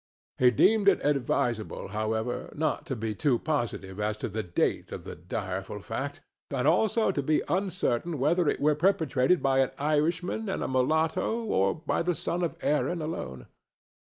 He deemed it advisable, however, not to be too positive as to the date of the direful fact, and also to be uncertain whether it were perpetrated by an Irishman and a mulatto or by the son of Erin alone.